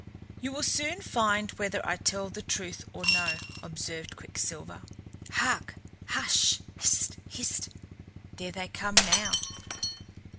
"You will soon find whether I tell the truth or no," observed Quicksilver. "Hark! hush! hist! hist! There they come now!"